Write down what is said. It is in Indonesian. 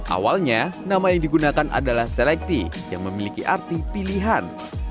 awalnya nama yang digunakan adalah selekti yang memiliki arti pilihan